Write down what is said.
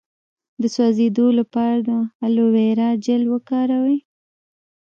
د سوځیدو لپاره د الوویرا جیل وکاروئ